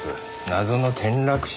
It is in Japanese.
謎の転落死！」